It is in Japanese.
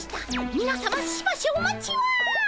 みなさましばしお待ちを。